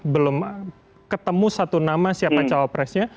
belum ketemu satu nama siapa calon presidennya